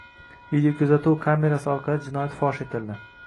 Videokuzatuv kamerasi orqali jinoyat fosh etildi